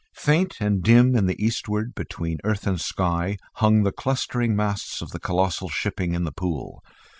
Faint and dim in the eastward between earth and sky hung the clustering masts of the colossal shipping in the Pool.